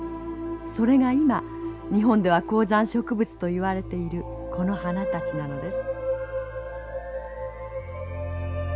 それが今日本では高山植物といわれているこの花たちなのです」。